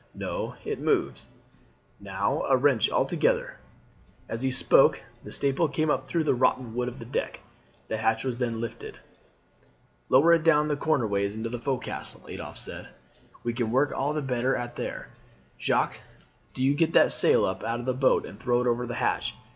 No, it moves. Now, a wrench all together." As he spoke the staple came up through the rotten wood of the deck. The hatch was then lifted. "Lower it down corner ways into the fo'castle," Adolphe said. "We can work all the better at it there. Jacques, do you get that sail up out of the boat and throw it over the hatch.